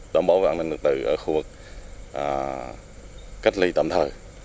bảo đảm an ninh trật tự ở khu vực cách ly tạm thời